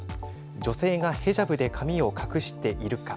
女性がヘジャブで髪を隠しているか。